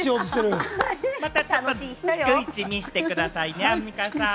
また逐一見せてくださいね、アンミカさん。